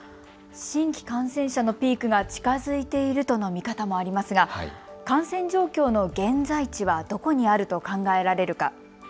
新規感染者のピークが近づいているとの見方もありますが感染状況の現在地はどこにあると考えられるか。